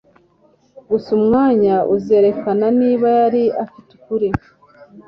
Gusa umwanya uzerekana niba yari afite ukuri